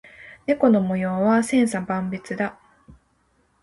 猫の模様は千差万別だ。